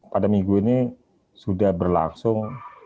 pada minggu ini sudah berlangsung